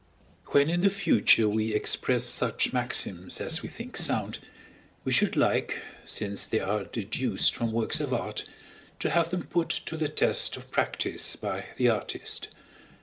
When in the future we express such maxims as we think sound, we should like, since they are deduced from works of art, to have them put to the test of practice by the artist.